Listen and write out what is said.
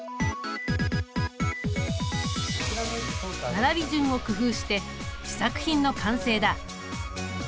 並び順を工夫して試作品の完成だ。